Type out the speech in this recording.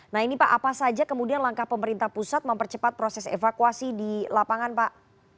nah ini pak apa saja kemudian langkah pemerintah pusat mempercepat proses evakuasi di lapangan pak